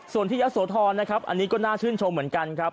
ส่วนที่ยะโสธรนะครับอันนี้ก็น่าชื่นชมเหมือนกันครับ